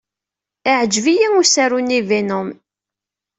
Yeɛjeb-iyi usaru-nni Venom.